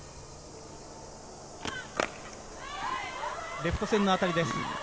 レフト線の当たりです。